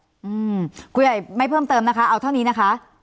อืมครูใหญ่ไม่เพิ่มเติมนะคะเอาเท่านี้นะคะ